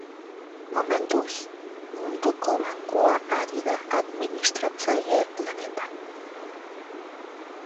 Momentuz, Munduko Bankua ari da administratzaile lanetan.